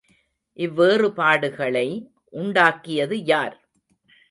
இவ்வேறுபாடுகளை உண்டாக்கியது யார்?